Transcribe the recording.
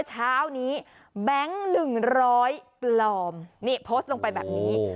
เช้านี้แบงค์๑๐๐ปลอมนี่โพสต์ลงไปแบบนี้